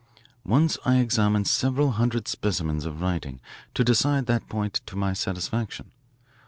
"Once I examined several hundred specimens of writing to decide that point to my satisfaction.